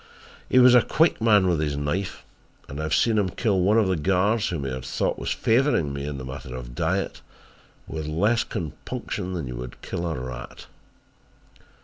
"He was a quick man with his knife and I have seen him kill one of the guards whom he had thought was favouring me in the matter of diet with less compunction than you would kill a rat.